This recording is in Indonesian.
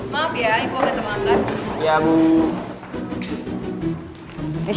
maaf ya ibu akan terbang angkat